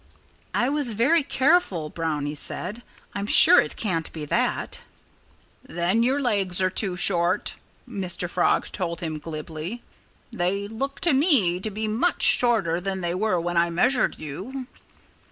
"I was very careful," Brownie said. "I'm sure it can't be that." "Then your legs are too short," Mr. Frog told him glibly. "They look to me to be much shorter than they were when I measured you."